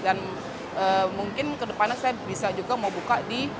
dan mungkin kedepannya saya bisa juga mau buka di